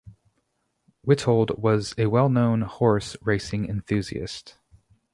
Witold was a well-known horse racing enthusiast.